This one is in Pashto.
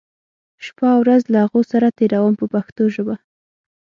شپه او ورځ له هغو سره تېروم په پښتو ژبه.